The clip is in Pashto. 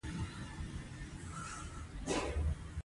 سمندر نه شتون د افغانستان د طبعي سیسټم توازن ساتي.